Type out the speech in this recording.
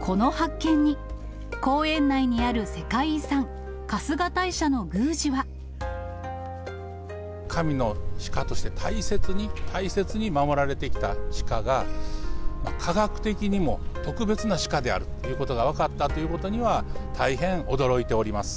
この発見に、公園内にある世界遺産、神のシカとして、大切に大切に守られてきたシカが、科学的にも特別なシカであるということが分かったということには、大変驚いております。